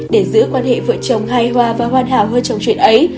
để giữ quan hệ vợ chồng hay hoa và hoàn hảo hơn trong chuyện ấy